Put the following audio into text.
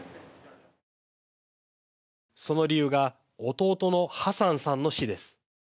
その理由が弟のハサンさんの死です。